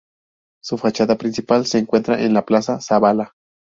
Su fachada principal se encuentra en la plaza Zabala.